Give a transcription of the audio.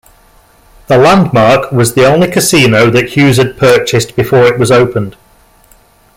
The Landmark was the only casino that Hughes had purchased before it was opened.